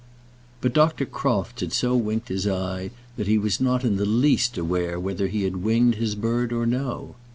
But Dr. Crofts had so winked his eye, that he was not in the least aware whether he had winged his bird or no.